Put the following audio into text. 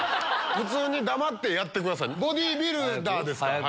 普通に黙ってやってくださいボディービルダーですから。